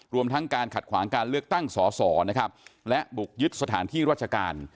รวมทั้งการขัดขวางการเลือกตั้งสอสอนะครับและบุกยึดสถานที่ราชการ